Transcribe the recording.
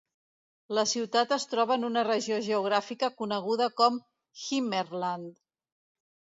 La ciutat es troba en una regió geogràfica coneguda com "Himmerland".